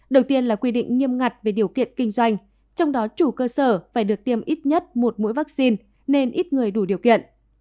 đầu tiên là quy định nghiêm ngặt về điều kiện kinh doanh trong đó chủ cơ sở phải được tiêm ít nhất một mũi vaccine nên ít người đủ điều kiện